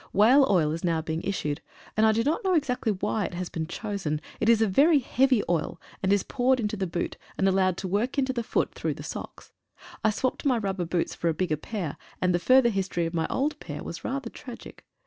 Whale oil is now being issued, and I do not know exactly why it has been chosen. It is a very heavy oil, and is poured into the boot and al lowed to work into the foot through the socks. I swopped my rubber boots for a bigger pair, and the further history of my old pair was rather tragic.